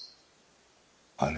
あれ？